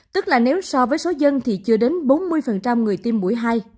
tức là nếu so với số dân thì chưa đến bốn mươi người tiêm mũi hai